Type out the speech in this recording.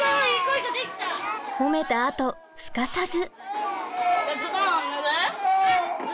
褒めたあとすかさず！